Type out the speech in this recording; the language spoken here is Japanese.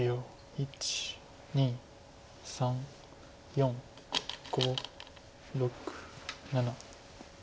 １２３４５６７。